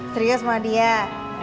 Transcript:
tapi kamu mau hadiah gak